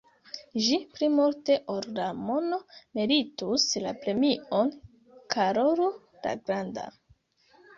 Ĝi pli multe ol la mono meritus la premion Karolo la Granda.